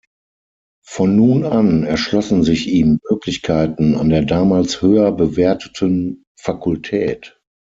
Von nun an erschlossen sich ihm Möglichkeiten an der damals höher bewerteten Fakultät.